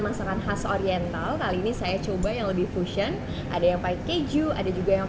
masakan khas oriental kali ini saya coba yang lebih fusion ada yang pakai keju ada juga yang